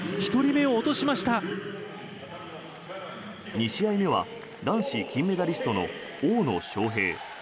２試合目は男子金メダリストの大野将平。